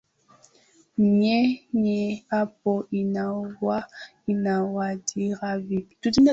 nyinyi hapo inawa inawadhiri vipi